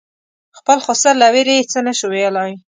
خپل خسر له وېرې یې څه نه شو ویلای.